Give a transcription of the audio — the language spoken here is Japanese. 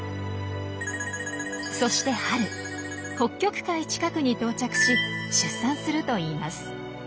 そして春北極海近くに到着し出産するといいます。